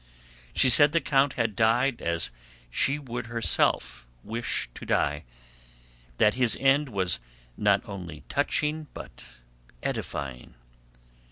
She said the count had died as she would herself wish to die, that his end was not only touching but edifying.